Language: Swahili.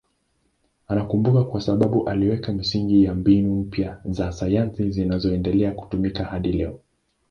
Anakumbukwa kwa sababu aliweka misingi ya mbinu mpya za sayansi zinazoendelea kutumika hadi leo.